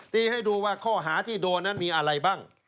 ให้ดูว่าข้อหาที่โดนนั้นมีอะไรบ้าง